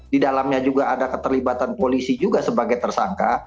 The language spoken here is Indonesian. di dalamnya juga ada keterlibatan polisi juga sebagai tersangka